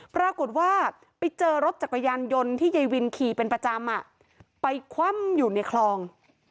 ปรากฏว่าไปเจอรถจักรยานยนต์ที่ยายวินขี่เป็นประจำไปคว่ำอยู่ในคลอง